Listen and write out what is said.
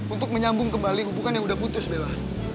untuk menyambung kembali hubungan yang sudah putus bella